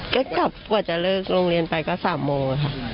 ก็กลับกว่าจะเลิกโรงเรียนไปก็๓โมงค่ะ